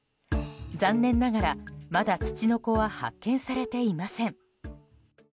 残念ながらまだツチノコは発見されていません。